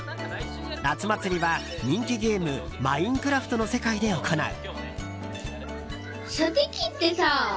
夏祭りは、人気ゲーム「マインクラフト」の世界で行う。